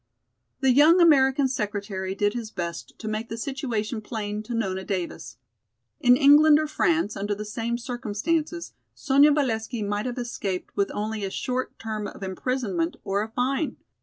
The young American secretary did his best to make the situation plain to Nona Davis. In England or France, under the same circumstances, Sonya Valesky might have escaped with only a short term of imprisonment or a fine.